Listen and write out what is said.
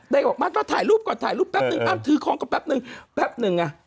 ได้ก็บอกมาถ่ายรูปก่อนถ่ายรูปแป๊บหนึ่งอ้ำถือคล้องก็แป๊บหนึ่ง